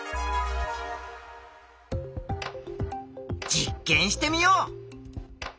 実験してみよう。